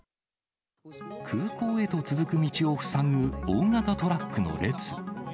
空港へと続く道を塞ぐ大型トラックの列。